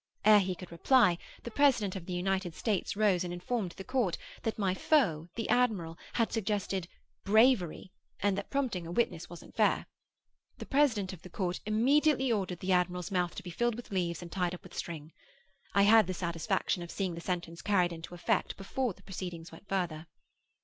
Ere he could reply, the President of the United States rose and informed the court, that my foe, the admiral, had suggested 'Bravery,' and that prompting a witness wasn't fair. The president of the court immediately ordered the admiral's mouth to be filled with leaves, and tied up with string. I had the satisfaction of seeing the sentence carried into effect before the proceedings went further.